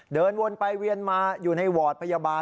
เดินวนไปเวียนมาอยู่ในวอร์ดพยาบาล